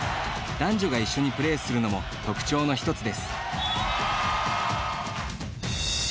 男女が一緒にプレーするのも特徴の１つです。